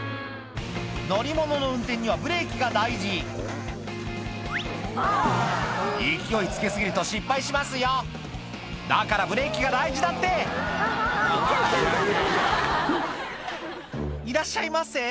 乗り物の運転にはブレーキが大事勢いつけ過ぎると失敗しますよだからブレーキが大事だって「いらっしゃいませ」